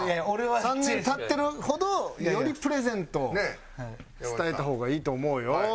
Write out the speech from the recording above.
３年経ってるほどよりプレゼント伝えた方がいいと思うよ。